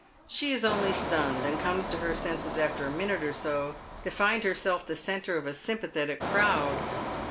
She is only stunned, and comes to her senses after a minute or so to find herself the centre of a sympathetic crowd.